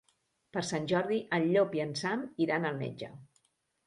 Per Sant Jordi en Llop i en Sam iran al metge.